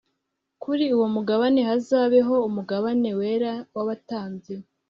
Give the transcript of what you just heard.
kuri uwo mugabane hazabeho umugabane wera w'abatambyi